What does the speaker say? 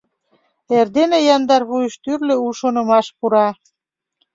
Эрдене яндар вуйыш тӱрлӧ у шонымаш пура.